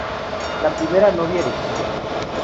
La primera novia de Kido.